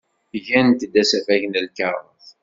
Gant-d asafag n lkaɣeḍ.